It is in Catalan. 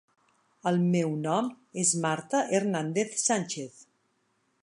El meu nom és Marta Hernández Sánchez.